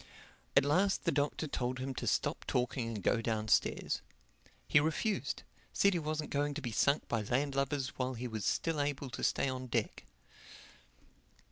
At last the Doctor told him to stop talking and go downstairs. He refused—said he wasn't going to be sunk by landlubbers while he was still able to stay on deck.